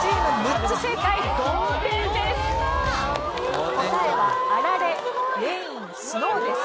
答えはアラレレインスノーです。